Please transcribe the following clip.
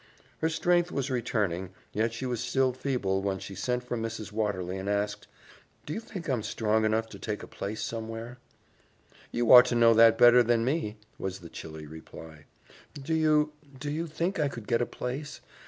Her strength was returning, yet she was still feeble when she sent for Mrs. Watterly and asked, "Do you think I'm strong enough to take a place somewhere?" "You ought to know that better than me," was the chilly reply. "Do you do you think I could get a place?